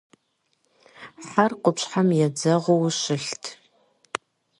Хьэр къупщхьэм едзэгъуу щылът.